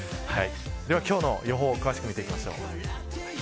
では今日の予報詳しく見ていきましょう。